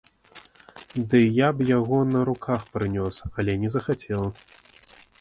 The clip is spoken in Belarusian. Ды я б яго на руках прынёс, але не захацеў.